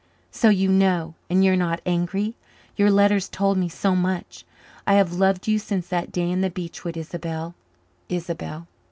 "So you know and you are not angry your letters told me so much. I have loved you since that day in the beech wood, Isobel Isobel."